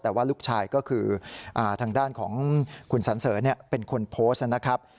แต่ว่าลูกชายก็คือทางด้านของคุณสันเสริญเป็นคนโพสต์นะครับ